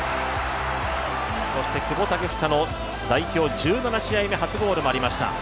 そして久保建英の代表１７試合目、初ゴールもありました。